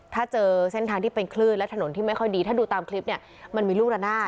ถ้าเจอเส้นทางที่เป็นคลื่นและถนนที่ไม่ค่อยดีถ้าดูตามคลิปเนี่ยมันมีลูกระนาด